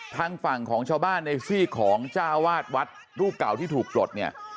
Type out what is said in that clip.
ทางฝั่งของชาวบ้านในซีกของจ้าวาดวัดรูปเก่าที่ถูกปลดเนี่ย